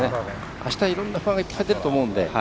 あした、いろんな不安がいっぱい出ると思うので。